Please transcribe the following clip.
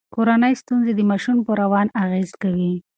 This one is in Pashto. کورنۍ ستونزې د ماشوم په روان اغیز کوي.